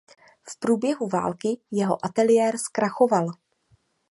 V průběhu války jeho ateliér zkrachoval.